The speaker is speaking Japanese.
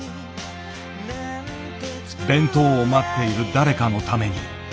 弁当を待っている誰かのために。